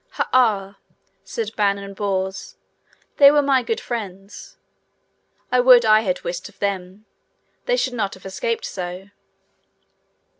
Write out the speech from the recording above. Ha! ah! said Ban and Bors, they were my good friends. I would I had wist of them; they should not have escaped so.